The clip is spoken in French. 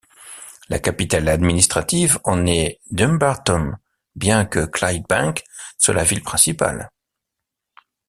La capitale administrative en est Dumbarton bien que Clydebank soit la ville principale.